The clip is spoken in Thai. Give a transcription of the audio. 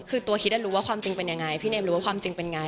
คือตัวคิดรู้ว่าความจริงเป็นยังไงพี่เมมรู้ว่าความจริงเป็นไง